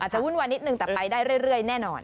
วุ่นวายนิดนึงแต่ไปได้เรื่อยแน่นอน